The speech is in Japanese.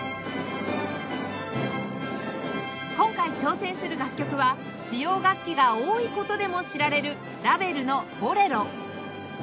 今回挑戦する楽曲は使用楽器が多い事でも知られるラヴェルの『ボレロ』